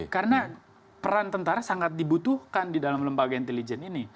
karena peran tentara sangat dibutuhkan di dalam lembaga intelijen ini